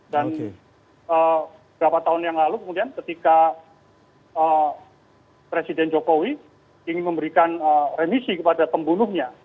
dan beberapa tahun yang lalu kemudian ketika presiden jokowi ingin memberikan remisi kepada pembunuhnya